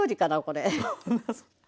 これ。